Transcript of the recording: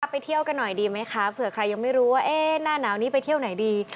ไปเที่ยวกันหน่อยดีไหมคะเผื่อใครยังไม่รู้ว่าหน้าหนาวนี้ไปเที่ยวไหนดี